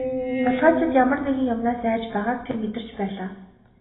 Хулгайлагчид ямар нэгэн юмнаас айж байгааг тэр мэдэрч байлаа.